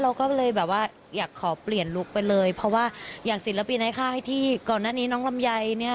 เราก็เลยแบบว่าอยากขอเปลี่ยนลุคไปเลยเพราะว่าอย่างศิลปินในค่ายที่ก่อนหน้านี้น้องลำไยเนี่ย